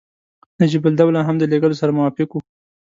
نجیب الدوله هم د لېږلو سره موافق وو.